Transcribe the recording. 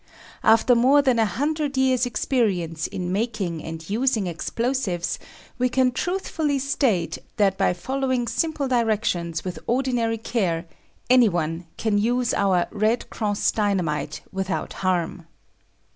After more than a hundred years' experience in making and using explosives, we can truthfully state that by following simple directions with ordinary care, anyone can use our "Red Cross" Dynamite without harm.